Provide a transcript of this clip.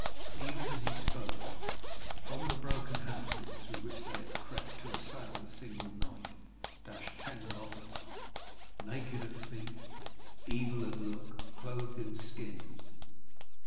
Even as he spoke, from the broken houses through which they had crept to assail the single knight, dashed ten robbers, naked of feet, evil of look, clothed in skins.